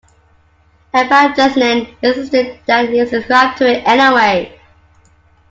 Emperor Justinian insisted that he subscribe to it anyway.